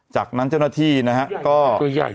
จากนั้นเจ้าหน้าที่นะฮะก็ตัวใหญ่